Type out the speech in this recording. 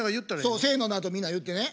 そう「せの」のあとみんな言ってね。